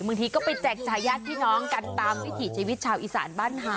บางทีก็ไปแจกชายฮรรษที่น้องกันตามพิถีชีวิตชาวอิสรบ้านเก่า